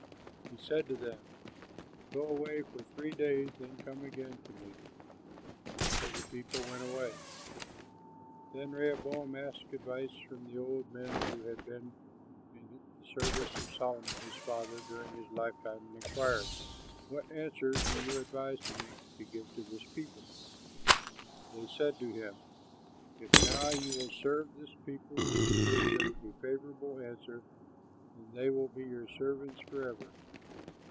He said to them, "Go away for three days; then come again to me." So the people went away. Then Rehoboam asked advice from the old men who had been in the service of Solomon his father during his lifetime and inquired, "What answer do you advise me to give this people?" They said to him, "If now you will serve this people and give them a favorable answer, then they will be your servants forever."